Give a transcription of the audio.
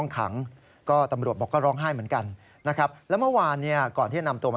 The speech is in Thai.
กลัวว่าจะคิดสั้นหรืออะไรขึ้นมานะคะ